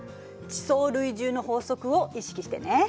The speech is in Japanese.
「地層累重の法則」を意識してね。